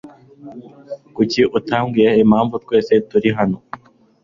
Kuki utambwiye impamvu twese turi hano?